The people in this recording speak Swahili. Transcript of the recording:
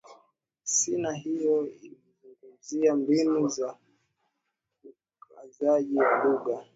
Sina hiyo ilizungumzia mbinu za ukuzaji wa lugha